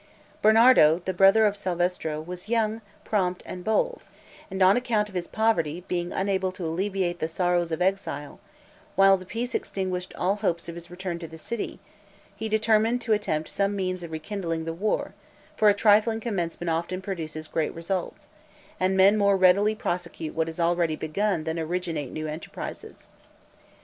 Bernardo, the brother of Salvestro, was young, prompt, and bold, and on account of his poverty being unable to alleviate the sorrows of exile, while the peace extinguished all hopes of his return to the city, he determined to attempt some means of rekindling the war; for a trifling commencement often produces great results, and men more readily prosecute what is already begun than originate new enterprises.